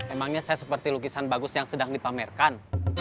emangnya saya seperti lukisan bagus yang sedang dipamerkan